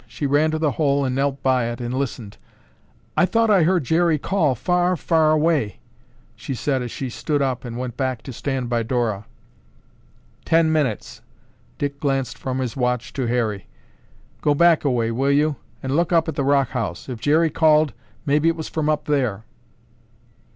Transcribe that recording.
She ran to the hole and knelt by it and listened. "I thought I heard Jerry call far, far away," she said as she stood up and went back to stand by Dora. "Ten minutes." Dick glanced from his watch to Harry. "Go back a way, will you, and look up at the rock house. If Jerry called, maybe it was from up there."